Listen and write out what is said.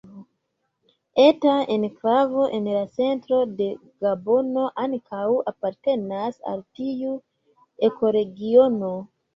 Eta enklavo en la centro de Gabono ankaŭ apartenas al tiu ekoregiono.